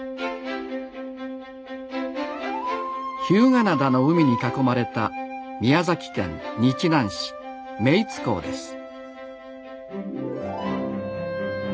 日向灘の海に囲まれた宮崎県日南市目井津港です。